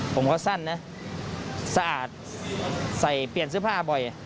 ผมก็สั้นนะสะอาดใส่เปลี่ยนเสื้อผ้าบ่อย